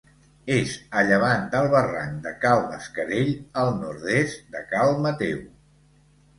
És a llevant del barranc de Cal Mascarell, al nord-est de Cal Mateu.